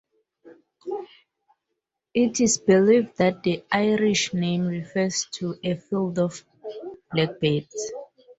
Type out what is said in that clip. It is believed that the Irish name refers to a "field of blackbirds".